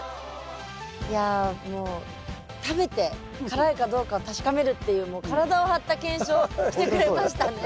いやもう食べて辛いかどうかを確かめるっていうもう体を張った検証をしてくれましたね。